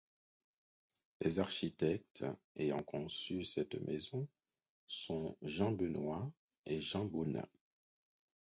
Les architectes ayant conçu cette maison sont Jean Benoit et Jean Bonnat.